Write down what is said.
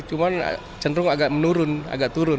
cuman cenderung agak menurun agak turun